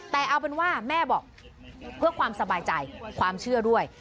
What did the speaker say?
แต่เอาเป็นว่าแม่บอกเพื่อความสบายใจความเชื่อด้วย